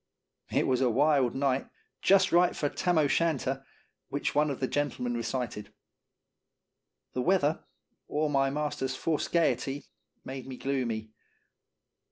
It was a wild night, just right for " Tam O'Shanter," which one of the gentlemen re cited. The weather or my master's forced gayety made me gloomy.